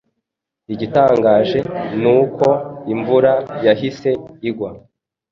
Igitangaje nuko imvura yahise igwa